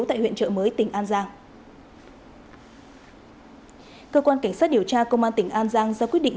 tại huyện trợ mới tỉnh an giang cơ quan cảnh sát điều tra công an tỉnh an giang ra quyết định